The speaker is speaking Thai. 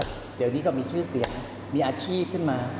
เดี๋ยวนี้ก็มีชื่อเสียงมีอาชีพขึ้นมา